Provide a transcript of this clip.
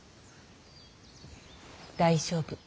大丈夫。